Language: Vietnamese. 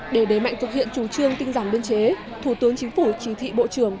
để đẩy mạnh thực hiện chủ trương tinh giản biên chế thủ tướng chính phủ chỉ thị bộ trưởng